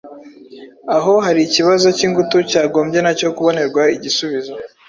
aho hari ikibazo cy'ingutu cyagombye nacyo kubonerwa igisubizo.